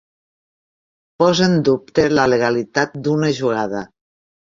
Posa en dubte la legalitat d'una jugada.